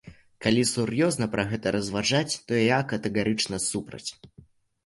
Калі сур'ёзна пра гэта разважаць, то я катэгарычна супраць.